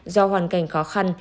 do hoàn cảnh khó khăn